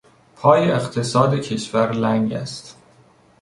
پای اقتصاد کشور لنگ است.